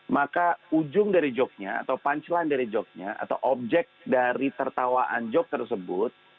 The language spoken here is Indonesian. maka ujung dari joke nya atau pancilan dari joke nya atau objek dari tertawaan joke tersebut